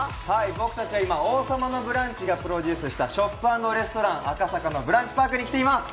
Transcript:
僕たちは今、「王様のブランチ」がプロデュースしたショップ＆レストラン、赤坂のブランチパークに来ています。